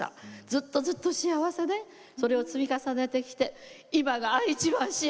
ずっとずっと幸せでそれを積み重ねてきて今がいちばん幸せです。